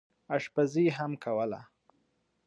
اشپزي هم کوله.